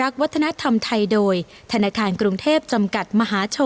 ขอบคุณครับ